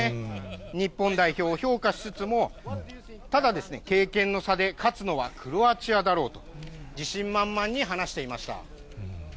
日本代表を評価しつつも、ただですね、経験の差で勝つのはクロアチアだろうと、自信満々に話していました。